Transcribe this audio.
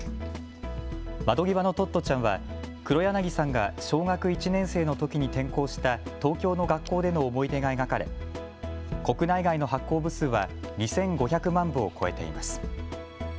窓ぎわのトットちゃんは黒柳さんが小学１年生のときに転校した東京の学校での思い出が描かれ国内外の発行部数は２５００万部を超えています。